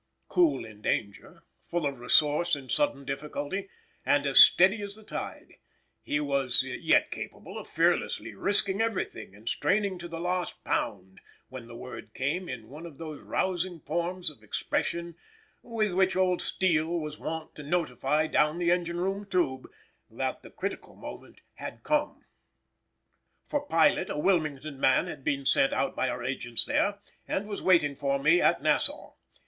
Cool in danger, full of resource in sudden difficulty, and as steady as the tide, he was yet capable of fearlessly risking everything and straining to the last pound, when the word came, in one of those rousing forms of expression with which old Steele was wont to notify down the engine room tube, that the critical moment had come. For pilot a Wilmington man had been sent out by our agents there, and was waiting for me at Nassau.